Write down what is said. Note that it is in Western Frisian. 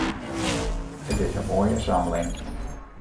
It is in moaie samling.